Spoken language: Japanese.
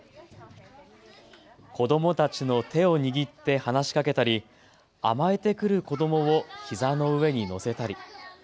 子どもたちの手を握って話しかけたり甘えてくる子どもをひざの上に乗せたり。